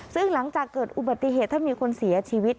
ซึ่งหลังจากเกิดอุบัติเหตุถ้ามีคนเสียชีวิต